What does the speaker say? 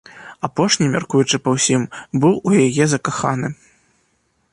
Апошні, мяркуючы па ўсім, быў у яе закаханы.